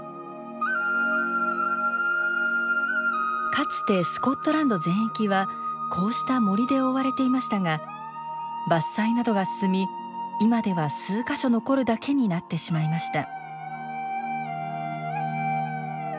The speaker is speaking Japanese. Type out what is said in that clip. かつてスコットランド全域はこうした森で覆われていましたが伐採などが進み今では数か所残るだけになってしまいました。